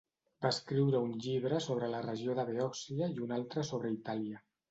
Va escriure un llibre sobre la regió de Beòcia i un altre sobre Itàlia.